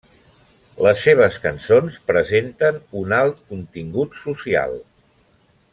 Les seves cançons presenten un alt contingut social.